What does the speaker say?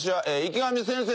池上先生！